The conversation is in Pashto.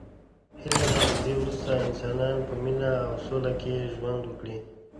هیله ده له دی وروسته انسانان په مینه او سوله کې ژوند وکړي.